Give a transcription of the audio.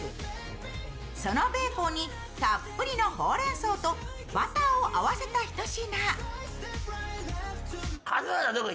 そのベーコンにたっぷりのほうれんそうとバターを合わせたひと品。